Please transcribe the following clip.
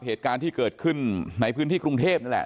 เหตุการณ์ที่เกิดขึ้นในพื้นที่กรุงเทพนั่นแหละ